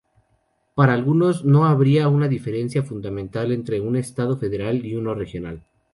Para algunos no habría una diferencia fundamental entre un Estado federal y uno regional.